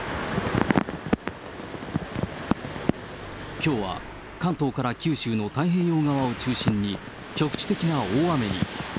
きょうは、関東から九州の太平洋側を中心に、局地的な大雨に。